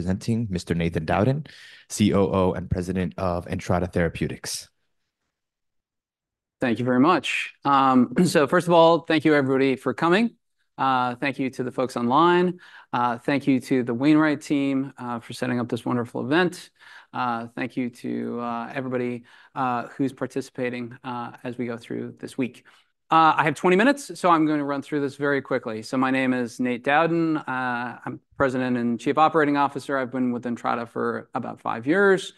Presenting Mr. Nathan Dowden, COO and President of Entrada Therapeutics. Thank you very much. So first of all, thank you everybody for coming. Thank you to the folks online. Thank you to the Wainwright team for setting up this wonderful event. Thank you to everybody who's participating as we go through this week. I have 20 minutes, so I'm going to run through this very quickly. So my name is Nate Dowden. I'm President and Chief Operating Officer. I've been with Entrada for about five years,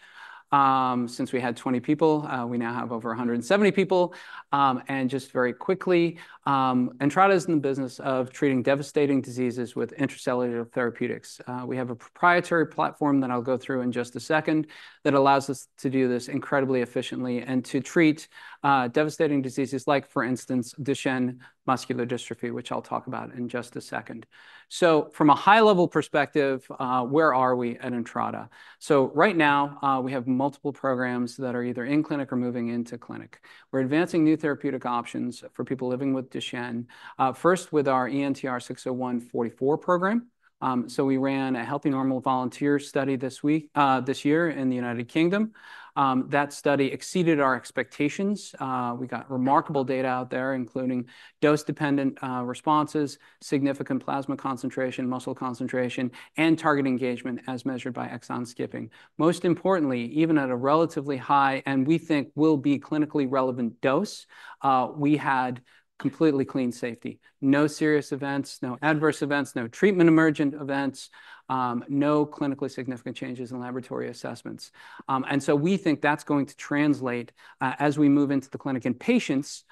since we had 20 people. We now have over 170 people. And just very quickly, Entrada is in the business of treating devastating diseases with intracellular therapeutics. We have a proprietary platform that I'll go through in just a second, that allows us to do this incredibly efficiently and to treat devastating diseases like, for instance, Duchenne muscular dystrophy, which I'll talk about in just a second. So from a high-level perspective, where are we at Entrada? So right now, we have multiple programs that are either in clinic or moving into clinic. We're advancing new therapeutic options for people living with Duchenne, first with our ENTR-601-44 program. So we ran a healthy, normal volunteer study this year in the United Kingdom. That study exceeded our expectations. We got remarkable data out there, including dose-dependent responses, significant plasma concentration, muscle concentration, and target engagement as measured by exon skipping. Most importantly, even at a relatively high, and we think will be clinically relevant dose, we had completely clean safety, no serious events, no adverse events, no treatment emergent events, no clinically significant changes in laboratory assessments. And so we think that's going to translate as we move into the clinic in patients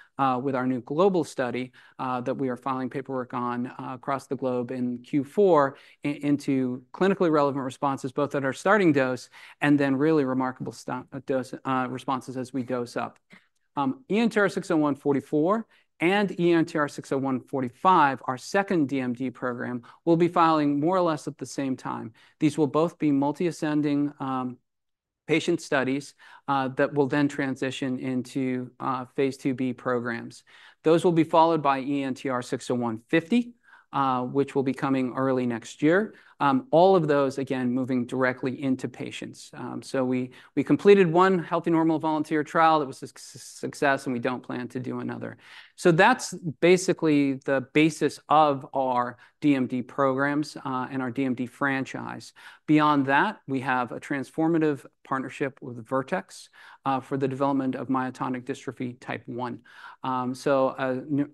with our new global study that we are filing paperwork on across the globe in Q4 into clinically relevant responses, both at our starting dose and then really remarkable dose responses as we dose up. ENTR-601-44 and ENTR-601-45, our second DMD program, will be filing more or less at the same time. These will both be multi-ascending patient studies that will then transition into phase II-B programs. Those will be followed by ENTR-601-50, which will be coming early next year. All of those, again, moving directly into patients. We completed one healthy, normal volunteer trial. That was a success, and we don't plan to do another. That's basically the basis of our DMD programs and our DMD franchise. Beyond that, we have a transformative partnership with Vertex for the development of myotonic dystrophy Type 1. A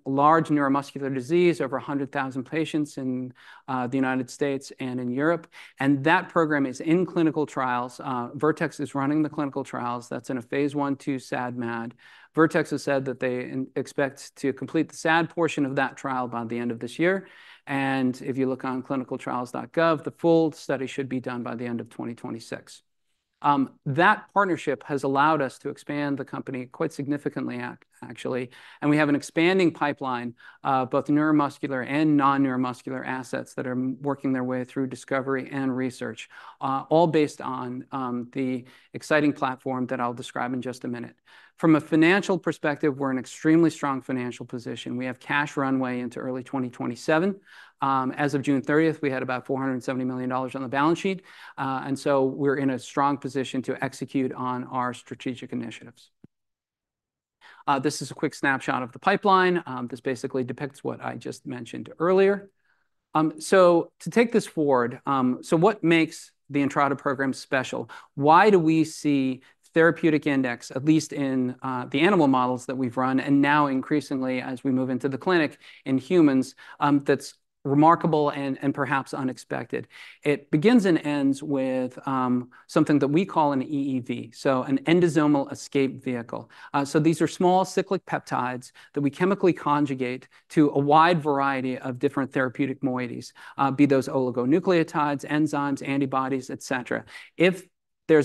large neuromuscular disease, over 100,000 patients in the United States and in Europe, and that program is in clinical trials. Vertex is running the clinical trials. That's in a phase I/II, SAD/MAD. Vertex has said that they expect to complete the SAD portion of that trial by the end of this year, and if you look on ClinicalTrials.gov, the full study should be done by the end of 2026. That partnership has allowed us to expand the company quite significantly actually, and we have an expanding pipeline of both neuromuscular and non-neuromuscular assets that are working their way through discovery and research, all based on the exciting platform that I'll describe in just a minute. From a financial perspective, we're in extremely strong financial position. We have cash runway into early 2027. As of June 30th, we had about $470 million on the balance sheet. And so we're in a strong position to execute on our strategic initiatives. This is a quick snapshot of the pipeline. This basically depicts what I just mentioned earlier. So to take this forward, so what makes the Entrada program special? Why do we see therapeutic index, at least in the animal models that we've run, and now increasingly, as we move into the clinic in humans, that's remarkable and perhaps unexpected? It begins and ends with something that we call an EEV, so an Endosomal Escape Vehicle. So these are small cyclic peptides that we chemically conjugate to a wide variety of different therapeutic moieties, be those oligonucleotides, enzymes, antibodies, et cetera. If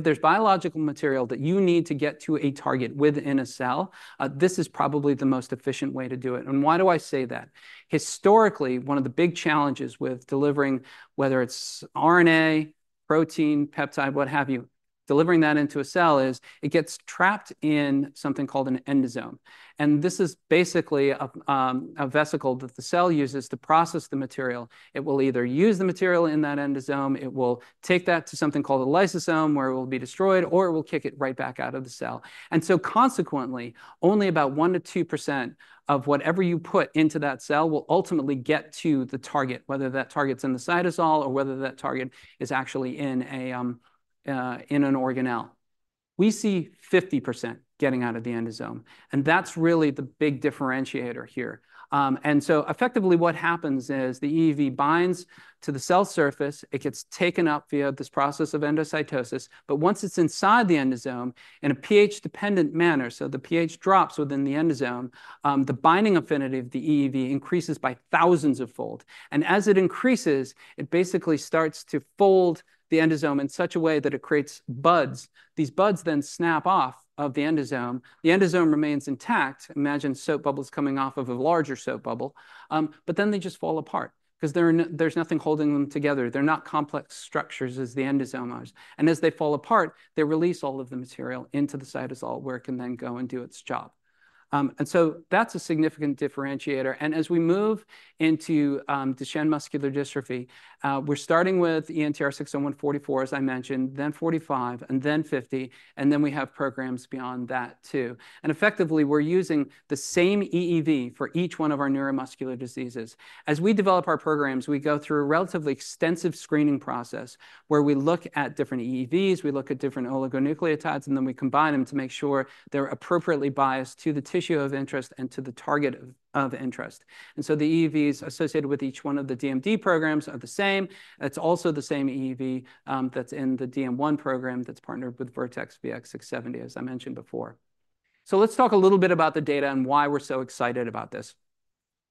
there's biological material that you need to get to a target within a cell, this is probably the most efficient way to do it. And why do I say that? Historically, one of the big challenges with delivering, whether it's RNA, protein, peptide, what have you, delivering that into a cell is, it gets trapped in something called an endosome. This is basically a vesicle that the cell uses to process the material. It will either use the material in that endosome, it will take that to something called a lysosome, where it will be destroyed, or it will kick it right back out of the cell. And so consequently, only about 1% or 2% of whatever you put into that cell will ultimately get to the target, whether that target's in the cytosol or whether that target is actually in an organelle. We see 50% getting out of the endosome, and that's really the big differentiator here. And so effectively, what happens is the EEV binds to the cell surface. It gets taken up via this process of endocytosis, but once it's inside the endosome, in a pH-dependent manner, so the pH drops within the endosome, the binding affinity of the EEV increases by thousands of fold. And as it increases, it basically starts to fold the endosome in such a way that it creates buds. These buds then snap off of the endosome. The endosome remains intact. Imagine soap bubbles coming off of a larger soap bubble. But then they just fall apart because there's nothing holding them together. They're not complex structures as the endosome is. And as they fall apart, they release all of the material into the cytosol, where it can then go and do its job. And so that's a significant differentiator. As we move into Duchenne muscular dystrophy, we're starting with ENTR-601-44, as I mentioned, then ENTR-601-45, and then ENTR-601-50, and then we have programs beyond that too. Effectively, we're using the same EEV for each one of our neuromuscular diseases. As we develop our programs, we go through a relatively extensive screening process, where we look at different EEVs, we look at different oligonucleotides, and then we combine them to make sure they're appropriately biased to the tissue of interest and to the target of interest. The EEVs associated with each one of the DMD programs are the same. It's also the same EEV that's in the DM1 program that's partnered with Vertex VX-670, as I mentioned before. Let's talk a little bit about the data and why we're so excited about this.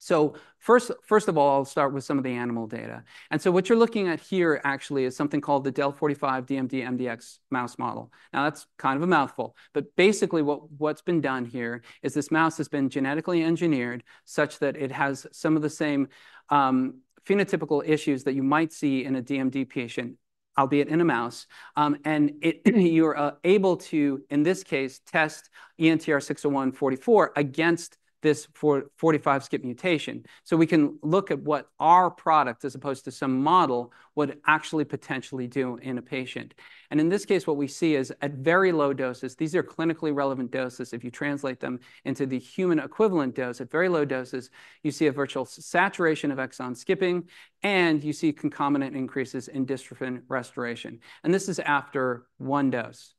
First of all, I'll start with some of the animal data. What you're looking at here actually is something called the del45 DMD mdx mouse model. Now, that's kind of a mouthful, but basically what's been done here is this mouse has been genetically engineered such that it has some of the same phenotypic issues that you might see in a DMD patient, albeit in a mouse. And you're able to, in this case, test ENTR-601-44 against this 45 skip mutation. We can look at what our product, as opposed to some model, would actually potentially do in a patient. And in this case, what we see is, at very low doses, these are clinically relevant doses if you translate them into the human equivalent dose, at very low doses, you see a virtual saturation of exon skipping, and you see concomitant increases in dystrophin restoration, and this is after one dose.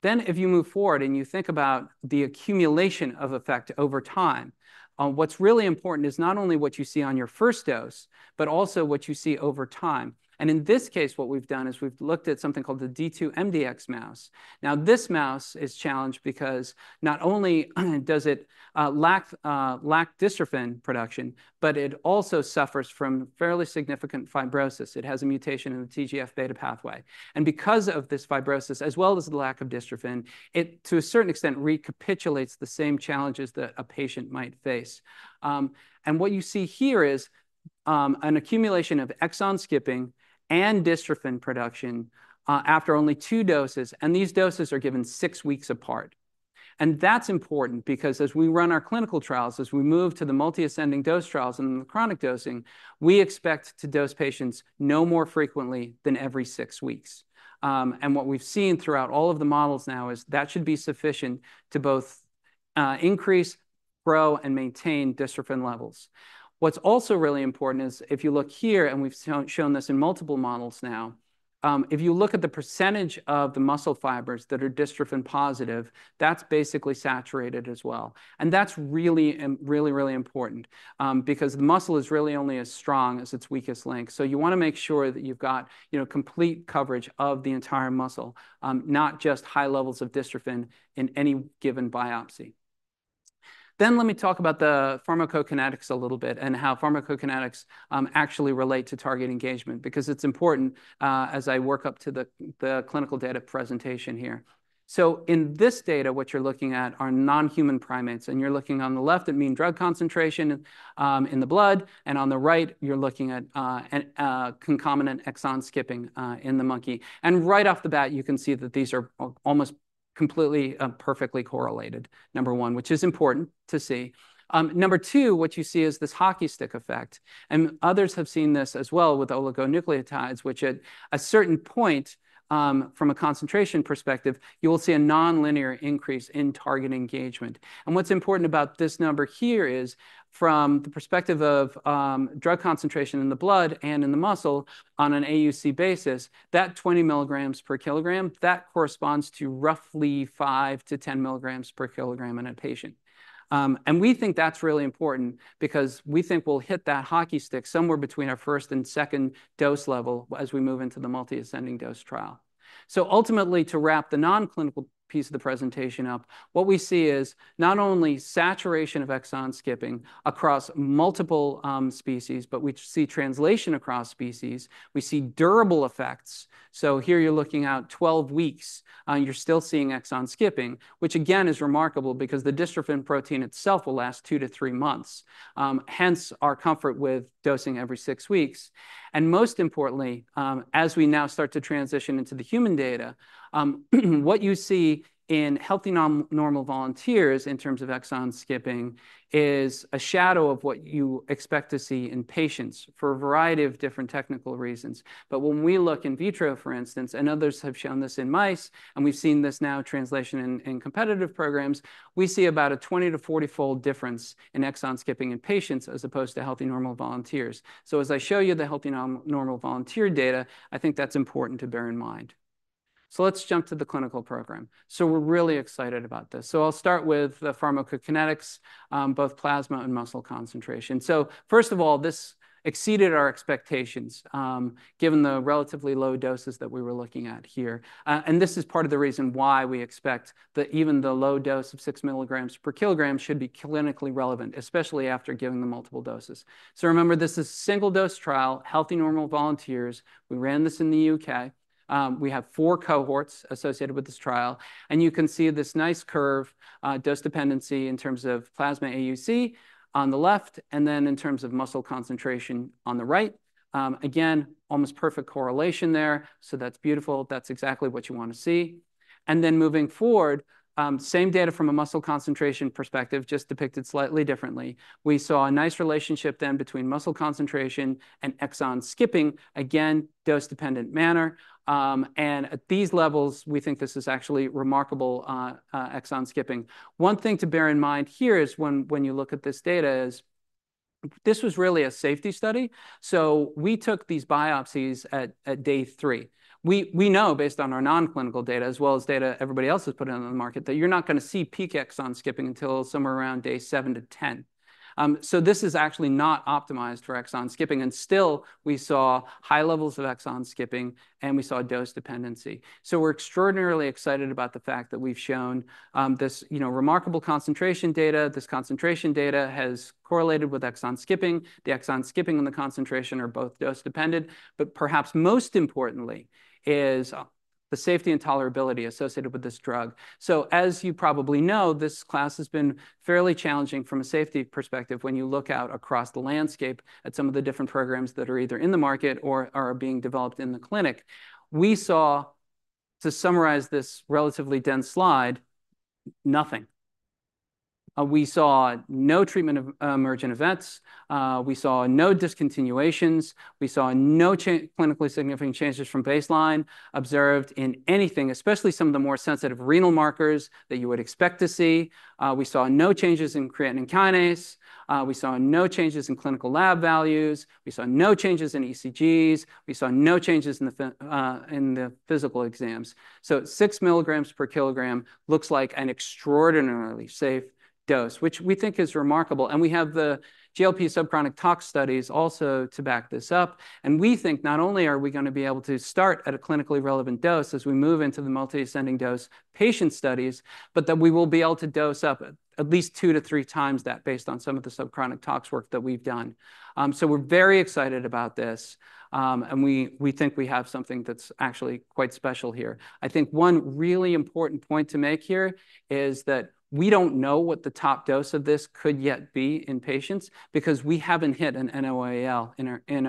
Then, if you move forward and you think about the accumulation of effect over time, what's really important is not only what you see on your first dose, but also what you see over time. And in this case, what we've done is we've looked at something called the D2.mdx mouse. Now, this mouse is challenged because not only does it lack dystrophin production, but it also suffers from fairly significant fibrosis. It has a mutation in the TGF-beta pathway. And because of this fibrosis, as well as the lack of dystrophin, it to a certain extent recapitulates the same challenges that a patient might face. And what you see here is an accumulation of exon skipping and dystrophin production after only two doses, and these doses are given six weeks apart. And that's important because as we run our clinical trials, as we move to the multi-ascending dose trials and the chronic dosing, we expect to dose patients no more frequently than every six weeks. And what we've seen throughout all of the models now is that should be sufficient to both increase, grow, and maintain dystrophin levels. What's also really important is, if you look here, and we've shown this in multiple models now, if you look at the percentage of the muscle fibers that are dystrophin positive, that's basically saturated as well. And that's really, really, really important, because the muscle is really only as strong as its weakest link. So you want to make sure that you've got, you know, complete coverage of the entire muscle, not just high levels of dystrophin in any given biopsy. Then, let me talk about the pharmacokinetics a little bit and how pharmacokinetics actually relate to target engagement, because it's important, as I work up to the clinical data presentation here. So in this data, what you're looking at are non-human primates, and you're looking on the left at mean drug concentration in the blood, and on the right, you're looking at a concomitant exon skipping in the monkey. And right off the bat, you can see that these are almost completely perfectly correlated, number one, which is important to see. Number two, what you see is this hockey stick effect, and others have seen this as well with oligonucleotides, which at a certain point from a concentration perspective, you will see a nonlinear increase in target engagement. And what's important about this number here is, from the perspective of drug concentration in the blood and in the muscle on an AUC basis, that 20 mg per kg, that corresponds to roughly five to 10 mg per kg in a patient. And we think that's really important because we think we'll hit that hockey stick somewhere between our first and second dose level as we move into the multi-ascending dose trial. So ultimately, to wrap the non-clinical piece of the presentation up, what we see is not only saturation of exon skipping across multiple species, but we see translation across species. We see durable effects. So here you're looking at 12 weeks, you're still seeing exon skipping, which again, is remarkable because the dystrophin protein itself will last two to three months, hence our comfort with dosing every six weeks. And most importantly, as we now start to transition into the human data, what you see in healthy normal volunteers in terms of exon skipping is a shadow of what you expect to see in patients for a variety of different technical reasons. When we look in vitro, for instance, and others have shown this in mice, and we've seen this now translation in competitive programs, we see about a 20-40 fold difference in exon skipping in patients as opposed to healthy, normal volunteers. As I show you the healthy normal volunteer data, I think that's important to bear in mind. Let's jump to the clinical program. We're really excited about this. I'll start with the pharmacokinetics, both plasma and muscle concentration. First of all, this exceeded our expectations, given the relatively low doses that we were looking at here. This is part of the reason why we expect that even the low dose of 6 mg per kg should be clinically relevant, especially after giving them multiple doses. Remember, this is a single dose trial, healthy, normal volunteers. We ran this in the U.K. We have four cohorts associated with this trial, and you can see this nice curve, dose dependency in terms of plasma AUC on the left, and then in terms of muscle concentration on the right. Again, almost perfect correlation there, so that's beautiful. That's exactly what you want to see, and then moving forward, same data from a muscle concentration perspective, just depicted slightly differently. We saw a nice relationship then between muscle concentration and exon skipping, again, dose-dependent manner, and at these levels, we think this is actually remarkable, exon skipping. One thing to bear in mind here is when you look at this data, is this was really a safety study, so we took these biopsies at day three. We know, based on our non-clinical data, as well as data everybody else has put in on the market, that you're not going to see peak exon skipping until somewhere around day seven to 10. So this is actually not optimized for exon skipping, and still, we saw high levels of exon skipping, and we saw dose dependency. So we're extraordinarily excited about the fact that we've shown this, you know, remarkable concentration data. This concentration data has correlated with exon skipping. The exon skipping and the concentration are both dose dependent, but perhaps most importantly is the safety and tolerability associated with this drug. So as you probably know, this class has been fairly challenging from a safety perspective when you look out across the landscape at some of the different programs that are either in the market or are being developed in the clinic. We saw, to summarize this relatively dense slide, nothing. We saw no treatment-emergent events, we saw no discontinuations, we saw no clinically significant changes from baseline observed in anything, especially some of the more sensitive renal markers that you would expect to see. We saw no changes in creatine kinase, we saw no changes in clinical lab values, we saw no changes in ECGs, we saw no changes in the physical exams. So 6 mg per kg looks like an extraordinarily safe dose, which we think is remarkable, and we have the GLP subchronic tox studies also to back this up. And we think not only are we going to be able to start at a clinically relevant dose as we move into the multiple-ascending dose patient studies, but that we will be able to dose up at least two to three times that based on some of the subchronic tox work that we've done. So we're very excited about this, and we think we have something that's actually quite special here. I think one really important point to make here is that we don't know what the top dose of this could yet be in patients, because we haven't hit a NOAEL in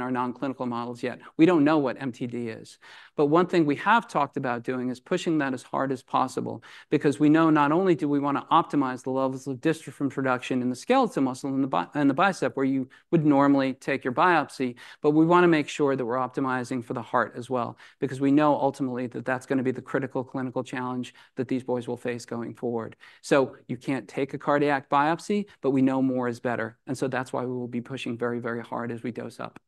our non-clinical models yet. We don't know what MTD is. But one thing we have talked about doing is pushing that as hard as possible, because we know not only do we want to optimize the levels of dystrophin production in the skeletal muscle, in the biceps, where you would normally take your biopsy, but we want to make sure that we're optimizing for the heart as well, because we know ultimately that that's going to be the critical clinical challenge that these boys will face going forward. So you can't take a cardiac biopsy, but we know more is better, and so that's why we will be pushing very, very hard as we dose up.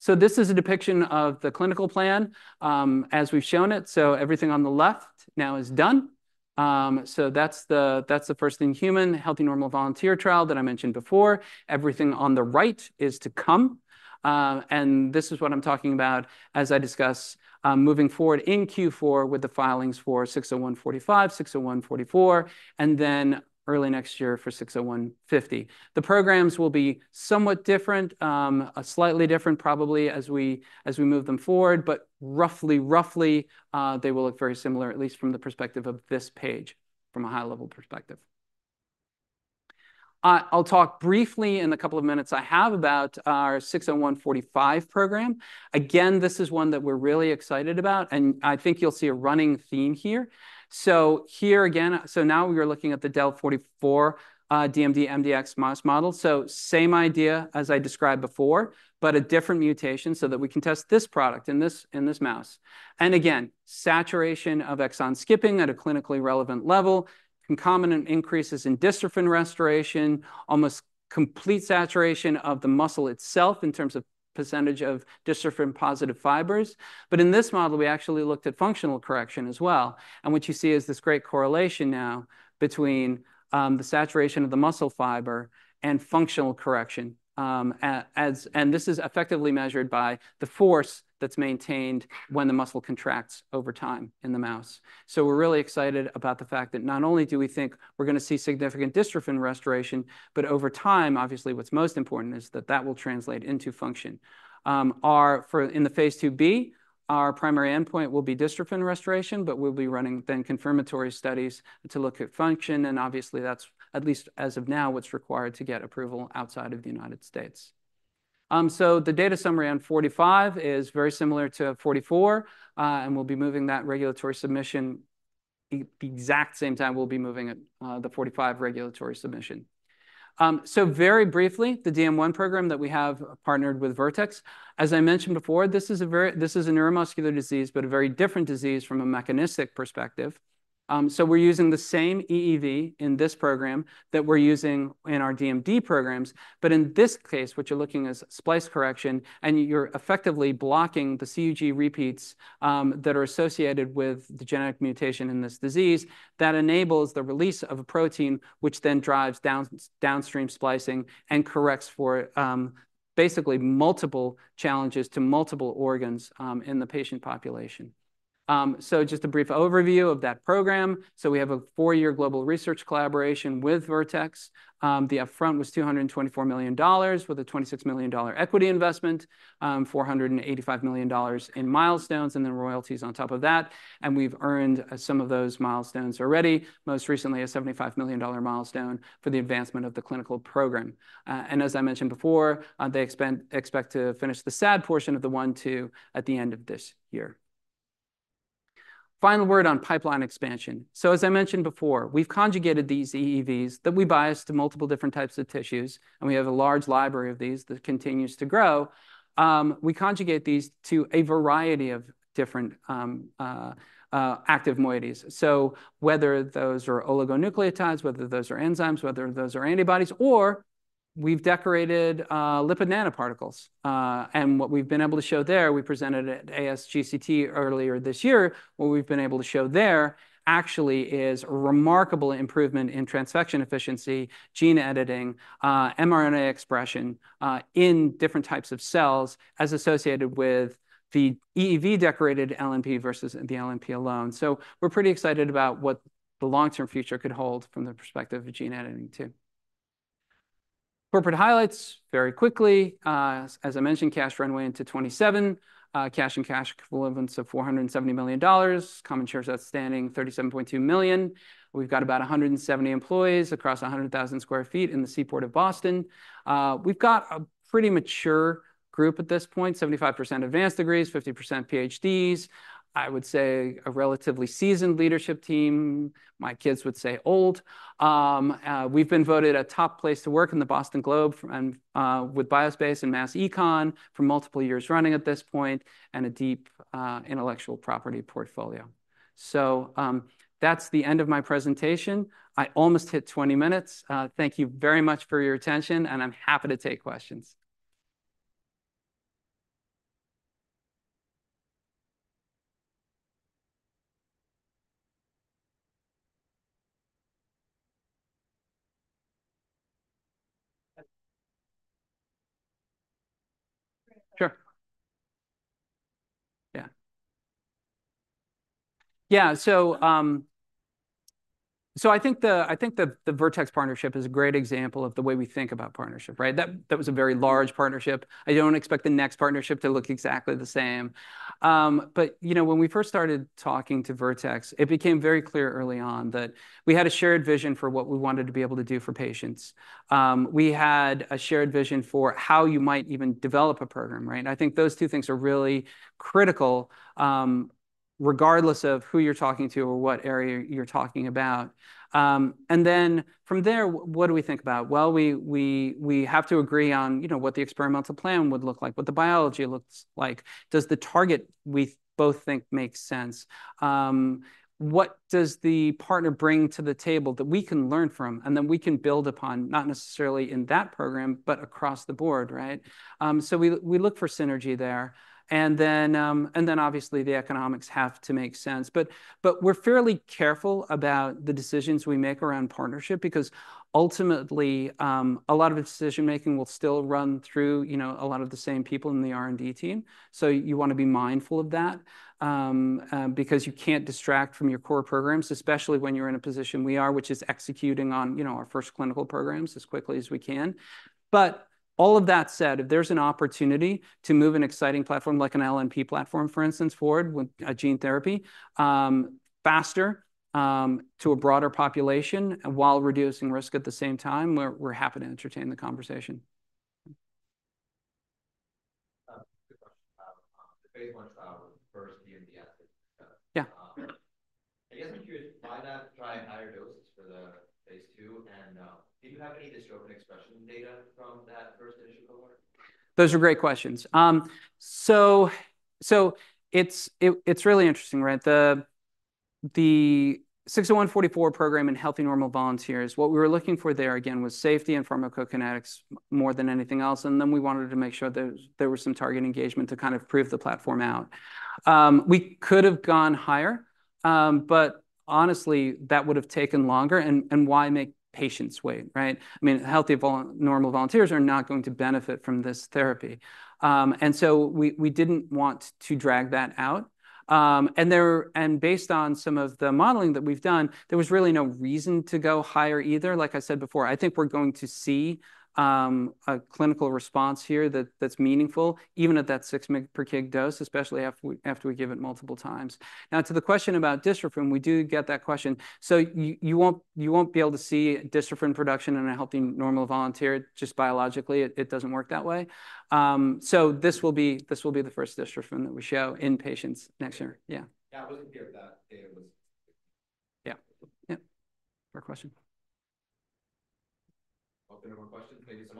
So this is a depiction of the clinical plan as we've shown it. So everything on the left now is done. So that's the first in human, healthy, normal volunteer trial that I mentioned before. Everything on the right is to come, and this is what I'm talking about as I discuss moving forward in Q4 with the filings for 601-45, 601-44 and then early next year for 601-50. The programs will be somewhat different, slightly different probably as we move them forward, but roughly they will look very similar, at least from the perspective of this page, from a high-level perspective. I'll talk briefly in the couple of minutes I have about our 601-45 program. Again, this is one that we're really excited about, and I think you'll see a running theme here. So here again, so now we are looking at the del44 DMD mdx mouse model. So same idea as I described before, but a different mutation so that we can test this product in this, in this mouse. And again, saturation of exon skipping at a clinically relevant level, concomitant increases in dystrophin restoration, almost complete saturation of the muscle itself in terms of percentage of dystrophin-positive fibers. But in this model, we actually looked at functional correction as well, and what you see is this great correlation now between the saturation of the muscle fiber and functional correction. And this is effectively measured by the force that's maintained when the muscle contracts over time in the mouse. So we're really excited about the fact that not only do we think we're going to see significant dystrophin restoration, but over time, obviously, what's most important is that that will translate into function. Our primary endpoint in the phase II-B will be dystrophin restoration, but we'll be running then confirmatory studies to look at function, and obviously, that's, at least as of now, what's required to get approval outside of the United States. So the data summary on 45 is very similar to 44, and we'll be moving that regulatory submission at the exact same time we'll be moving it, the 45 regulatory submission. So very briefly, the DM1 program that we have partnered with Vertex. As I mentioned before, this is a neuromuscular disease, but a very different disease from a mechanistic perspective. So we're using the same EEV in this program that we're using in our DMD programs. But in this case, what you're looking is splice correction, and you're effectively blocking the CUG repeats that are associated with the genetic mutation in this disease. That enables the release of a protein, which then drives downstream splicing and corrects for basically multiple challenges to multiple organs in the patient population. So just a brief overview of that program. So we have a four-year global research collaboration with Vertex. The upfront was $224 million, with a $26 million equity investment, $485 million in milestones, and then royalties on top of that, and we've earned some of those milestones already. Most recently, a $75 million milestone for the advancement of the clinical program. And as I mentioned before, they expect to finish the SAD portion of the one/two at the end of this year. Final word on pipeline expansion. So as I mentioned before, we've conjugated these EEVs that we bias to multiple different types of tissues, and we have a large library of these that continues to grow. We conjugate these to a variety of different active moieties. So whether those are oligonucleotides, whether those are enzymes, whether those are antibodies, or we've decorated lipid nanoparticles. And what we've been able to show there, we presented at ASGCT earlier this year, what we've been able to show there actually is a remarkable improvement in transfection efficiency, gene editing, mRNA expression, in different types of cells as associated with the EEV-decorated LNP versus the LNP alone. So we're pretty excited about what the long-term future could hold from the perspective of gene editing, too. Corporate highlights, very quickly. As I mentioned, cash runway into 2027, cash and cash equivalents of $470 million. Common shares outstanding, 37.2 million. We've got about 170 employees across 100,000 sq ft in the Seaport of Boston. We've got a pretty mature group at this point, 75% advanced degrees, 50% PhDs. I would say a relatively seasoned leadership team. My kids would say old. We've been voted a top place to work in the Boston Globe and with BioSpace and MassEcon for multiple years running at this point, and a deep intellectual property portfolio. So that's the end of my presentation. I almost hit 20 minutes. Thank you very much for your attention, and I'm happy to take questions. I think the Vertex partnership is a great example of the way we think about partnership, right? That was a very large partnership. I don't expect the next partnership to look exactly the same, but you know, when we first started talking to Vertex, it became very clear early on that we had a shared vision for what we wanted to be able to do for patients. We had a shared vision for how you might even develop a program, right? I think those two things are really critical, regardless of who you're talking to or what area you're talking about, and then, from there, what do we think about? We have to agree on, you know, what the experimental plan would look like, what the biology looks like. Does the target we both think makes sense? What does the partner bring to the table that we can learn from, and then we can build upon, not necessarily in that program, but across the board, right? So we look for synergy there. And then, obviously, the economics have to make sense. But we're fairly careful about the decisions we make around partnership, because ultimately, a lot of its decision-making will still run through, you know, a lot of the same people in the R&D team. So you want to be mindful of that, because you can't distract from your core programs, especially when you're in a position we are, which is executing on, you know, our first clinical programs as quickly as we can. But all of that said, if there's an opportunity to move an exciting platform, like an LNP platform, for instance, forward with a gene therapy, faster, to a broader population while reducing risk at the same time, we're happy to entertain the conversation. Good question. The phase I trial, first-in-human. Yeah. I guess I'm curious, why not try higher doses for the phase II, and do you have any dystrophin expression data from that first initial cohort? Those are great questions. So it's really interesting, right? The 601-44 program in healthy normal volunteers, what we were looking for there, again, was safety and pharmacokinetics more than anything else, and then we wanted to make sure there was some target engagement to kind of prove the platform out. We could have gone higher, but honestly, that would have taken longer, and why make patients wait, right? I mean, healthy normal volunteers are not going to benefit from this therapy. And so we didn't want to drag that out. And based on some of the modeling that we've done, there was really no reason to go higher either. Like I said before, I think we're going to see a clinical response here that's meaningful, even at that six mg per kg dose, especially after we give it multiple times. Now, to the question about dystrophin, we do get that question. So you won't be able to see dystrophin production in a healthy, normal volunteer. Just biologically, it doesn't work that way. So this will be the first dystrophin that we show in patients next year. Yeah. Yeah, I wasn't clear that it was- Yeah. Yeah. Fair question. Open to more questions. Thank you so much.